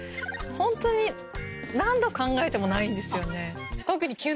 ホントに何度考えてもないんですよね。